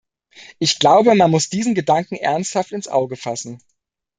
Ich glaube, man muss diesen Gedanken ernsthaft ins Auge fassen.